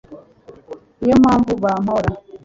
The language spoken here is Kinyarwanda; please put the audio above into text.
Ni yo mpamvu bampora